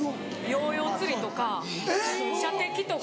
ヨーヨー釣りとか射的とか。